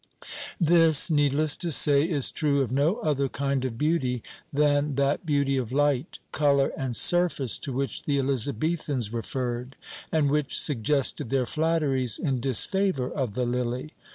This, needless to say, is true of no other kind of beauty than that beauty of light, colour, and surface to which the Elizabethans referred, and which suggested their flatteries in disfavour of the lily.